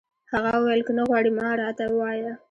هغه وویل: که نه غواړي، مه راته وایه.